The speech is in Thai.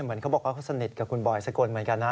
เหมือนเขาบอกว่าเขาสนิทกับคุณบอยสกลเหมือนกันนะ